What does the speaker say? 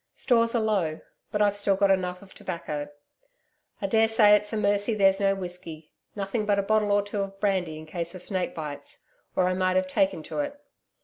Stores are low, but I've still got enough of tobacco. I daresay it's a mercy there's no whiskey nothing but a bottle or two of brandy in case of snake bites or I might have taken to it.